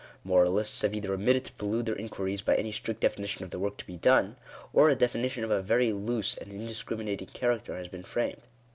'Moralists have either omitted to prelude their inquiries by any strict definition of the work to be done, or a definition of a very loose and indis criminating character has been framed.